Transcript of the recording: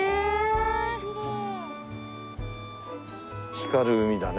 光る海だね